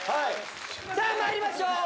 さあ参りましょう。